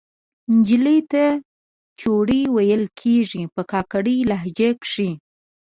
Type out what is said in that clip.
نجلۍ ته چورۍ ویل کیږي په کاکړۍ لهجه کښې